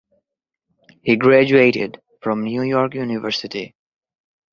He graduated from New York University.